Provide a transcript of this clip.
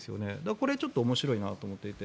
これはちょっと面白いなと思っていて。